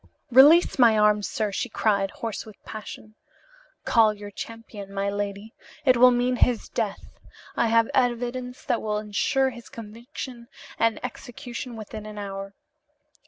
"Release my arm, sir!" she cried, hoarse with passion. "Call your champion, my lady. It will mean his death. I have evidence that will insure his conviction and execution within an hour.